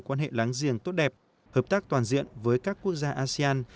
quan hệ láng giềng tốt đẹp hợp tác toàn diện với các quốc gia asean